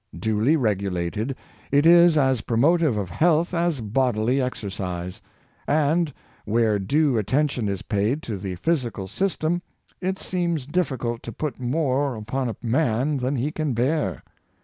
Duly regulated, it is as promotive of health as bodily exer cise; and, where due attention is paid to the physical system, it seems difficult to put more upon a man than he can bear.